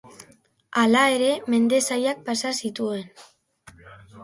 Hala ere mende zailak pasa zituen.